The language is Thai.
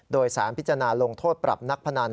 โดยสารพิจารณาลงโทษปรับนักพนัน